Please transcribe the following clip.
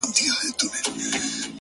زه خو اوس هم يم هغه کس راپسې وبه ژاړې!!